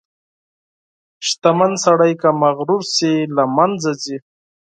• شتمن سړی که مغرور شي، له منځه ځي.